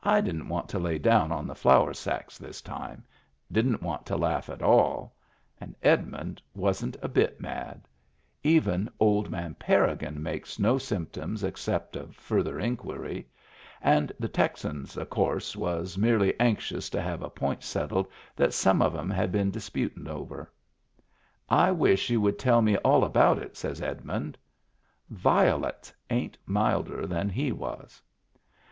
I didn't want to lay down on the flour sacks this Digitized by VjOOQIC WHERE IT WAS 267 time. Didn't want to laugh at alL And Ed mund wasn't a bit mad. Even old man Parrigin makes no S3rmptoms except of further inquiry. And the Texans, of course, was merely anxious to have a point settled that some of 'em had been disputin' over. " I wish you would tell me all about it," says Edmund. Violets ain't milder than he was.